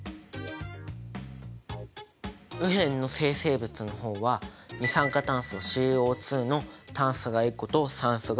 右辺の生成物の方は二酸化炭素ＣＯの炭素が１個と酸素が２個。